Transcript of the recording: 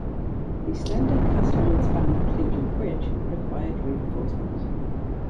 The slender cast iron span of Cleveland Bridge required reinforcement.